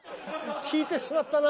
聞いてしまったな。